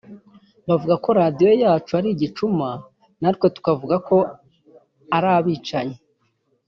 bavuga ko radio yacu ari igicuma natwe tukavuga ko ari abicanyi